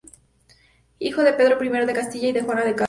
Hijo de Pedro I de Castilla y de Juana de Castro.